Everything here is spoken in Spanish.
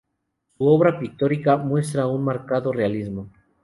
Su obra pictórica muestra un marcado realismo.